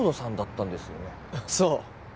そう。